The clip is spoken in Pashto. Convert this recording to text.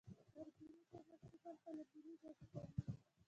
د کارګرې طبقې برخه له ملي ګټو کمېږي